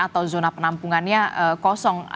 atau zona penampungannya kosong